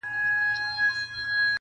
دودونه بايد بدل سي ژر,